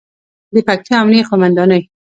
د پکتیا امنیې قوماندانۍ